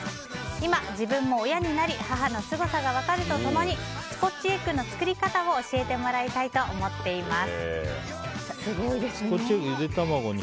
今、自分も親になり母のすごさが分かると共にスコッチエッグの作り方を教えてもらいたいと思っています。